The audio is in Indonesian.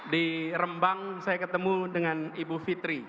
di rembang saya ketemu dengan ibu fitri